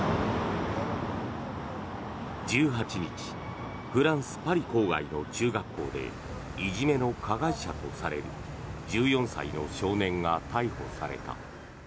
１８日フランス・パリ郊外の中学校でいじめの加害者とされる１４歳の少年が逮捕された。